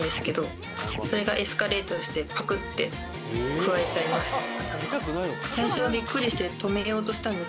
くわえちゃいます頭を。